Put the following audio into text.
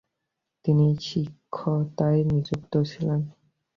তিনি শিক্ষতায় নিযুক্ত ছিলেন।